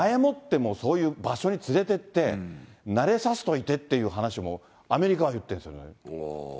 もうそういう場所に連れていって、慣れさせといてって話もアメリカはいってるんですよね。